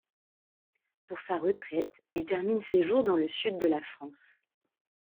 Pour sa retraite, il termine ses jours dans le sud de la France.